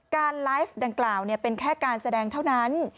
การไลฟ์ดังกล่าวเป็นแค่การแสดงเท่านั้น